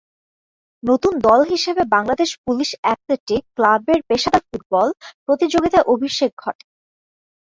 নতুন দল হিসেবে বাংলাদেশ পুলিশ অ্যাথলেটিক ক্লাবের পেশাদার ফুটবল প্রতিযোগীতায় অভিষেক ঘটে।